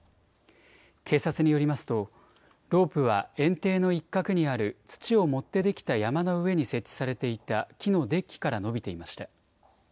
警察によりますと、ロープは園庭の一角にある土を盛って出来た山の上に設置されていた木のデッキから伸びていました。